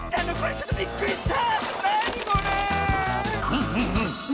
ちょっとびっくりした！